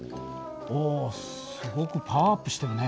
おすごくパワーアップしてるね。